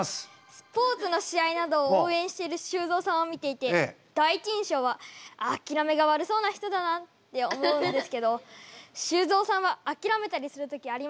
スポーツの試合などを応援している修造さんを見ていて第一印象はあきらめが悪そうな人だなって思うんですけど修造さんはあきらめたりする時ありますか？